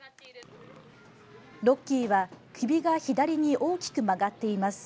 ロッキーは首が左に大きく曲がっています。